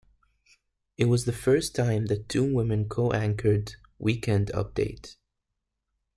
It was the first time that two women co-anchored "Weekend Update".